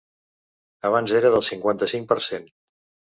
Abans era del cinquanta-cinc per cent.